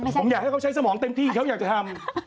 ผมอยากให้เขาใช้สมองเต็มที่เขาอยากจะทำ